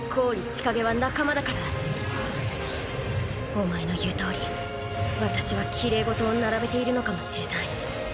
お前の言うとおり私はきれい事を並べているのかもしれない。